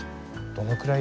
どのくらい？